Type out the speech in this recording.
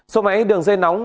số máy đường dây nóng